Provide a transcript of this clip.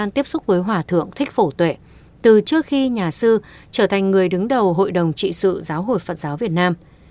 từ trước khi nhà sư trở thành người đứng đầu hội đồng trị sự giáo hội phật giáo việt nam